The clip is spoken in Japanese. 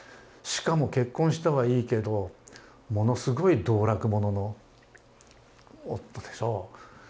しかも結婚したはいいけどものすごい道楽者の夫でしょう。